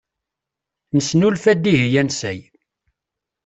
Nesnulfa-d ihi ansay.